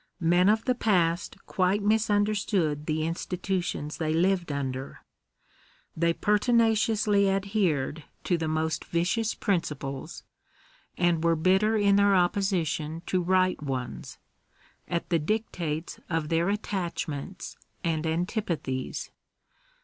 Men of the past quite misunderstood the institutions they lived under; they pertinaciously adhered to the most vicious principles, and were bitter in their opposition to right ones, at the dictates of their attachments and antipathies.